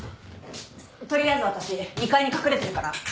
取りあえず私２階に隠れてるから